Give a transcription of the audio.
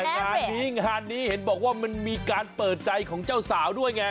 งานนี้งานนี้เห็นบอกว่ามันมีการเปิดใจของเจ้าสาวด้วยไง